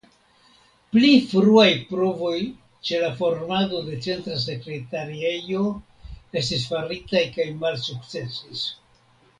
Pli fruaj provoj ĉe la formado de centra sekretariejo estis faritaj kaj malsukcesis.